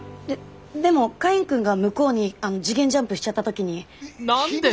ででもカインくんが向こうに次元ジャンプしちゃった時に。